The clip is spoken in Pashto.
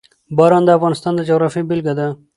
باران د افغانستان د جغرافیې بېلګه ده.